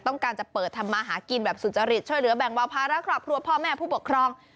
ต้องการจะเปิดทำมาหากินแบบสุจริตช่วยเหลือแบ่งเบาภาระครอบครัวพ่อแม่ผู้ปกครอง